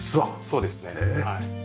そうですねはい。